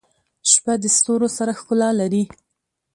• شپه د ستورو سره ښکلا لري.